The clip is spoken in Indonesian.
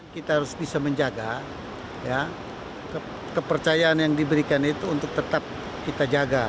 kita harus bisa menjaga kepercayaan yang diberikan itu untuk tetap kita jaga